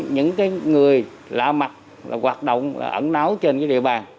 những cái người lạ mặt hoạt động ẩn náu trên cái địa bàn